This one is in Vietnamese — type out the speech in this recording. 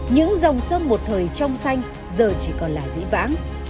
những dòng sông một thời trong xanh giờ chỉ còn là dĩ vãng